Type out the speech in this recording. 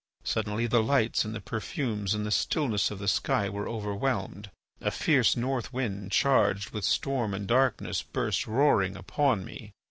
Suddenly the lights and the perfumes and the stillness of the sky were overwhelmed, a fierce Northwind charged with storm and darkness burst roaring upon me.